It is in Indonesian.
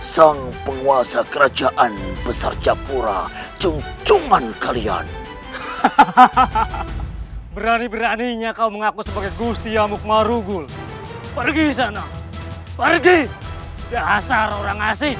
sang penguasa kerajaan besar jakora cuncuman kalian hahaha berani beraninya kau mengaku sebagai gusti amukmarugul pergi sana pergi dahasar orang asing